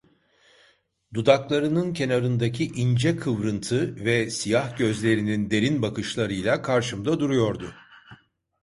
Dudaklarının kenarındaki ince kıvrıntı ve siyah gözlerinin derin bakışlarıyla karşımda duruyordu.